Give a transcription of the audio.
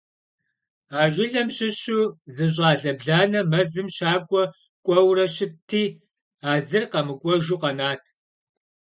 А жылэм щыщу зы щӀалэ бланэ мэзым щакӀуэ кӏуэурэ щытти, а зыр къэмыкӀуэжу къэнат.